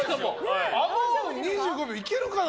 アモーン、２５秒いけるかな。